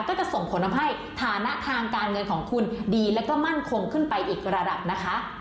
ก็จะส่งผลทำให้ฐานะทางการเงินของคุณดีแล้วก็มั่นคงขึ้นไปอีกระดับนะคะ